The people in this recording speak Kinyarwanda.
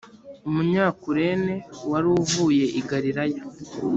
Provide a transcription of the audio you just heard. umunyakurene wari uvuye i galilaya